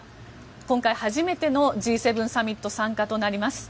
今回、初めてのＧ７サミット参加となります。